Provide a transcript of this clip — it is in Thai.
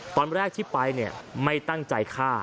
ตอนแรกที่ไปเนี่ยไม่ตั้งใจฆ่า